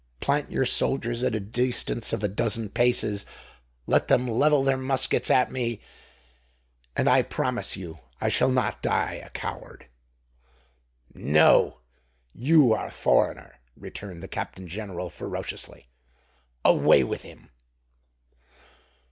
Plant your soldiers at a distance of a dozen paces—let them level their muskets at me—and I promise you I shall not die a coward." "No—you are a foreigner!" returned the Captain General ferociously. "Away with him!"